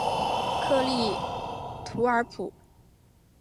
克利图尔普。